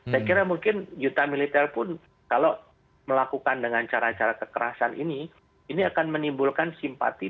saya kira mungkin juta militer pun kalau melakukan dengan cara cara kekerasan ini ini akan menimbulkan simpati